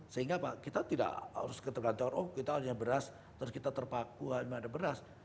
sehingga kita tidak harus ketergantungan oh kita hanya beras terus kita terpaku ada beras